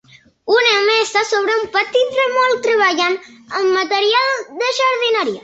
Un home està sobre un petit remolc treballant amb material de jardineria.